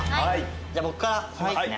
じゃあ僕からしますね。